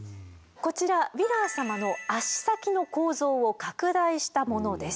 こちらヴィラン様の足先の構造を拡大したものです。